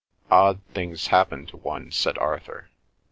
"Odd things happen to one," said Arthur.